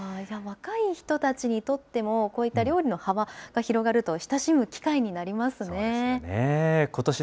若い人たちにとっても、こういった料理の幅が広がると親しむ機会になりますね。